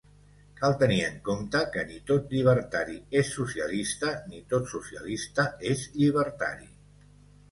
Cal tenir en compte que ni tot llibertari és socialista ni tot socialista és llibertari.